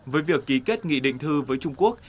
với việc ký kết nghị định thư với trung quốc